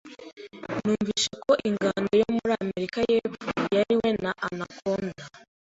Numvise ko ingando yo muri Amerika yepfo yariwe na anaconda.